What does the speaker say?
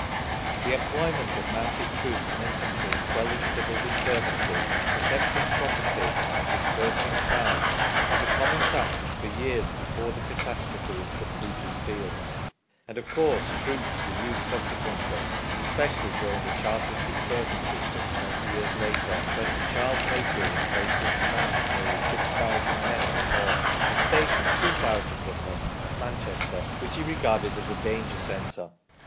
The employment of mounted troops and infantry in quelling civil disturbances, protecting property, and dispersing crowds was a com mon practice for years before the catastrophe in St. Peter's fields ; and, of course, troops were used subsequently, especially during the Chartist disturbances just twenty years later, when Sir Charles Napier was placed in command of nearly 6000 men in the north, and stationed 2000 of them at Manchester, which he regarded as a danger centre.